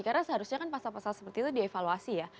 karena seharusnya kan pasal pasal seperti itu dievaluasi ya